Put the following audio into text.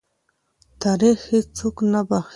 تاریخ هېڅوک نه بخښي.